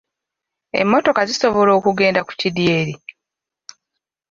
Emmotoka zisobola okugenda ku kidyeri?